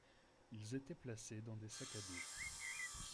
Ils étaient placés dans des sacs à dos.